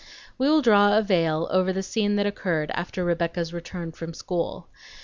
We will draw a veil over the scene that occurred after Rebecca's return from school.